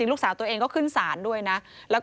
ซึ่งทุกคนเคารพนับถือมากศาลตั้งอยู่ริมสะน้ำท้ายหมู่บ้าน